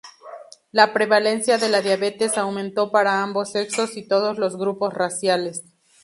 La prevalencia de la diabetes aumentó para ambos sexos y todos los grupos raciales.